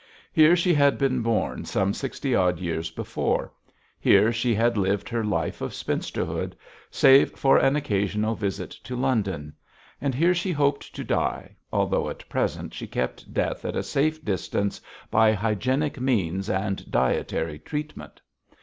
Here she had been born some sixty odd years before; here she had lived her life of spinsterhood, save for an occasional visit to London; and here she hoped to die, although at present she kept Death at a safe distance by hygienic means and dietary treatment.